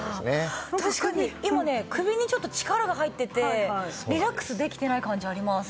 確かに今ね首にちょっと力が入っててリラックスできてない感じあります。